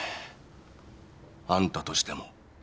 あんたとしても。